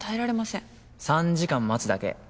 ３時間待つだけ。